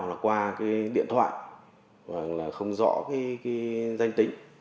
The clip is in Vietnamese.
hoặc là qua cái điện thoại hoặc là không rõ cái danh tính